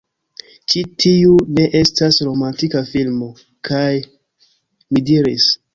Ĉi tiu ne estas romantika filmo! kaj mi diris: